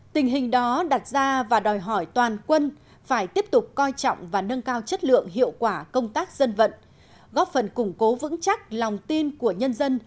tình hình đó đặt ra và đòi hỏi toàn quân phải tiếp tục coi trọng và nâng cao chất lượng hiệu quả công tác dân vận góp phần củng cố vững chắc lòng tin của nhân dân